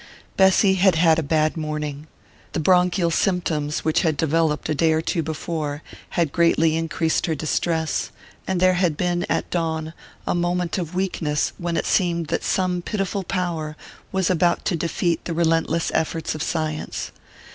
Bessy had had a bad morning: the bronchial symptoms which had developed a day or two before had greatly increased her distress, and there had been, at dawn, a moment of weakness when it seemed that some pitiful power was about to defeat the relentless efforts of science.